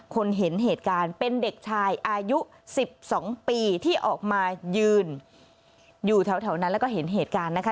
คนเห็นเหตุการณ์เป็นเด็กชายอายุ๑๒ปีที่ออกมายืนอยู่แถวนั้นแล้วก็เห็นเหตุการณ์นะคะ